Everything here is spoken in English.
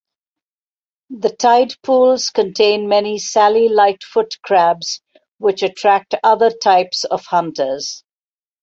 The tide pools contain many Sally Lightfoot crabs, which attract other types of hunters.